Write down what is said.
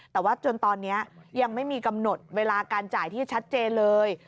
แต่ว่าจนตอนนี้ยังไม่มีกำหนดเวลาการจ่ายที่ชัดเจนเลย